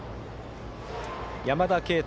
山田渓太